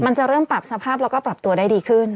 มันจะเริ่มปรับสภาพแล้วก็ปรับตัวได้ดีขึ้น